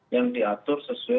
yang diatur sesuai dengan keadaan